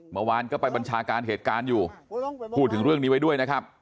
เมื่อวานก็ไปบัญชาการเหตุการณ์อยู่พูดถึงเรื่องนี้ไว้ด้วยนะครับ